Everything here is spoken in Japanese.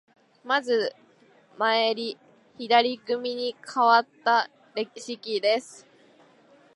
まず前襟、左組にかわったレシキです。